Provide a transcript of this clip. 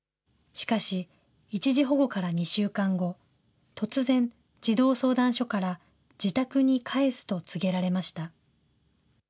しかし、一時保護から２週間後、突然、児童相談所から自宅に帰すと告げられました。